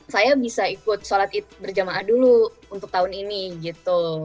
saya bisa ikut sholat id berjamaah dulu untuk tahun ini gitu